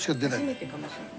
初めてかもしれない。